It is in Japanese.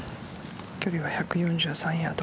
距離は１４３ヤード。